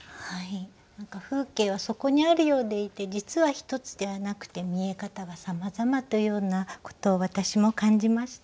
風景はそこにあるようでいて実は一つではなくて見え方がさまざまというようなことを私も感じました。